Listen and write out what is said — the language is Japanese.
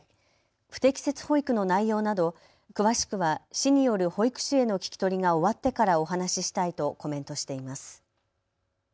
不適切保育の内容など詳しくは市による保育士への聞き取りが終わってからお話ししたいとコメントしています。